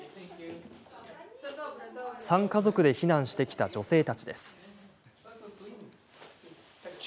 ３家族で避難してきた女性たちです。